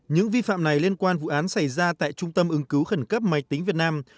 những vi phạm này liên quan vụ án xảy ra tại trung tâm ứng cứu khẩn cấp máy tính việt nam